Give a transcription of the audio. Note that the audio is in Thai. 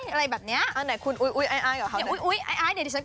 อะไรแบบนี้